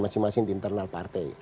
masing masing internal partai